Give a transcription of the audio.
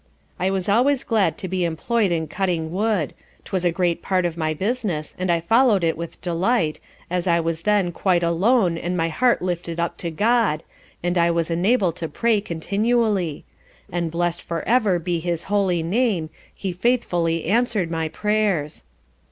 I was always glad to be employ'd in cutting wood, 'twas a great part of my business, and I follow'd it with delight, as I was then quite alone and my heart lifted up to GOD, and I was enabled to pray continually; and blessed for ever be his Holy Name, he faithfully answer'd my prayers.